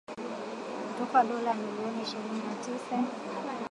Kutoka dola milioni ishirini na tisa